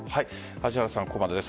芦原さん、ここまでです。